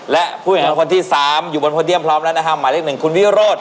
และผู้หญิงของคนที่๓อยู่บนพอเดียมพร้อมแล้วนะคะหมายเรียกหนึ่งคุณวิโรธ